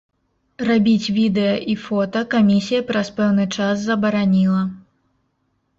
Рабіць відэа і фота камісія праз пэўны час забараніла.